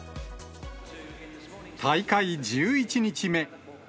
大会１１日目。